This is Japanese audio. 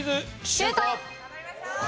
シュート！